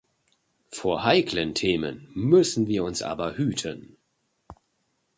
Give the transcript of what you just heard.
Vor heiklen Themen müssen wir uns aber hüten.